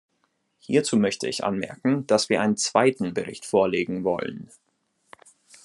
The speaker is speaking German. Hierzu möchte ich anmerken, dass wir einen zweiten Bericht vorlegen wollen.